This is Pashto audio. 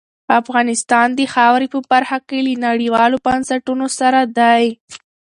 افغانستان د خاورې په برخه کې له نړیوالو بنسټونو سره دی.